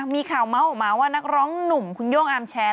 มีข่าวม้าวว่านักร้องหนุ่มคุณโย่งอาร์มแชร์